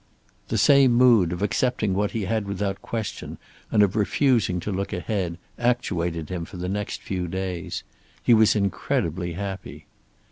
The same mood, of accepting what he had without question and of refusing to look ahead, actuated him for the next few days. He was incredibly happy.